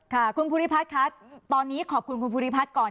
ค่ะคุณภูริพัฒน์ค่ะตอนนี้ขอบคุณคุณภูริพัฒน์ก่อน